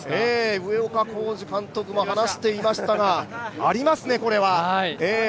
上岡宏次監督も話していましたが、ありますね、これは。